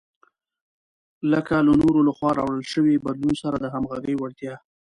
لکه له نورو لخوا راوړل شوي بدلون سره د همغږۍ وړتیا.